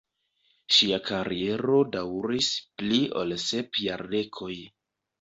Ŝia kariero daŭris pli ol sep jardekoj.